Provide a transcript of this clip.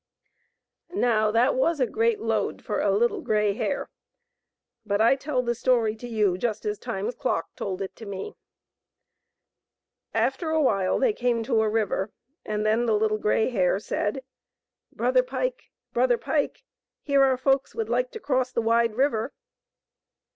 (Now that was a great load for a little grey hare ; but I tell the story to you just as Time's Clock told it to me.) After a while they came to a river, and then the Little Grey Hare said :" Brother Pike ! Brother Pike ! Here are folks would like to cross the wide river."